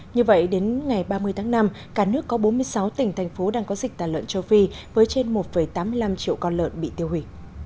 như vậy đến ngày ba mươi tháng năm cả nước có bốn mươi sáu tỉnh thành phố đang có dịch tả lợn châu phi với trên một tám mươi năm triệu con lợn bị tiêu hủy